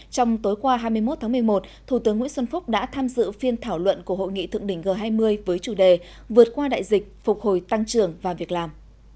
trong tối qua hai mươi một tháng một mươi một thủ tướng nguyễn xuân phúc đã tham dự phiên thảo luận của hội nghị thượng đỉnh g hai mươi với chủ đề vượt qua đại dịch phục hồi tăng trưởng và việc làm